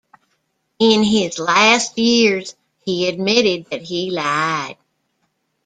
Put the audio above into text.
In his last years, he admitted that he lied.